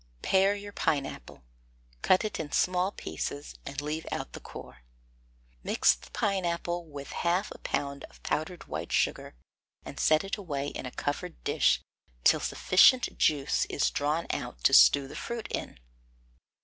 Pare your pineapple; cut it in small pieces, and leave out the core. Mix the pineapple with half a pound of powdered white sugar, and set it away in a covered dish till sufficient juice is drawn out to stew the fruit in.